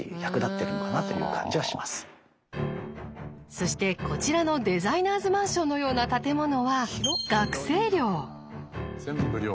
そしてこちらのデザイナーズマンションのような建物は全部寮。